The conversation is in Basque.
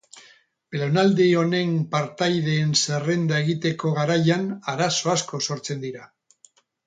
Belaunaldi honen partaideen zerrenda egiteko garaian arazo asko sortzen dira.